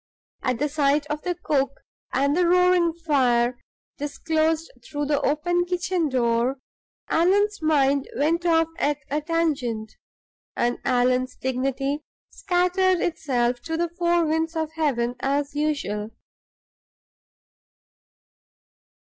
At the sight of the cook and the roaring fire, disclosed through the open kitchen door, Allan's mind went off at a tangent, and Allan's dignity scattered itself to the four winds of heaven, as usual.